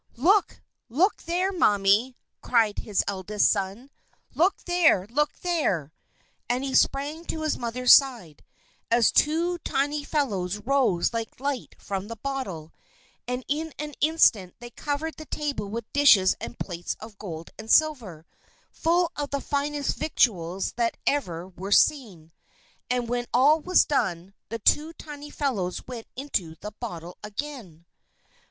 "Look! Look there, mammy!" cried his eldest son. "Look there! Look there!" and he sprang to his mother's side, as two tiny fellows rose like light from the bottle; and in an instant they covered the table with dishes and plates of gold and silver, full of the finest victuals that ever were seen. And when all was done, the two tiny fellows went into the bottle again.